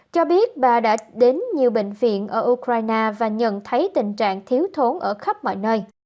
cho biết bà đã đến nhiều bệnh viện ở ukraine và nhận thấy tình trạng thiếu thốn ở khắp mọi nơi